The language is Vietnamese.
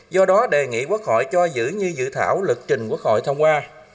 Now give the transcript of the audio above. do đó đề nghị quốc hội cho giữ như dự thảo lực trình quốc hội thông qua